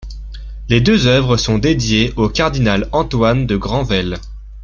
Les deux œuvres sont dédiées au cardinal Antoine de Granvelle.